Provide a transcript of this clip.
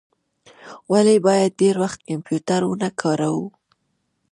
ولي باید ډیر وخت کمپیوټر و نه کاروو؟